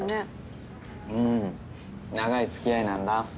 うん長い付き合いなんだ。